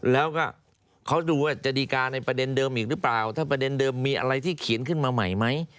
แล้วก็เขาดูว่าจะดีการในประเด็นเดิมอีกหรือเปล่าถ้าประเด็นเดิมมีอะไรที่เขียนขึ้นมาใหม่ไหม